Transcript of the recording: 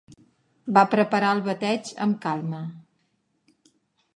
Va preparar el bateig am calma